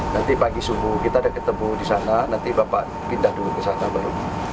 nanti pagi subuh kita ada ketemu di sana nanti bapak pindah dulu ke sana baru